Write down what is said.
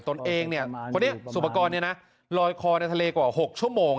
ตนเองคนนี้สุปกรณ์ลอยคอในทะเลกว่า๖ชั่วโมง